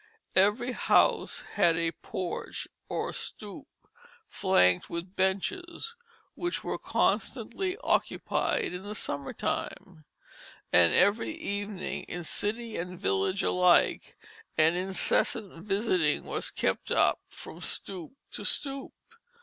Every house had a porch or "stoep" flanked with benches, which were constantly occupied in the summer time; and every evening, in city and village alike, an incessant visiting was kept up from stoop to stoop.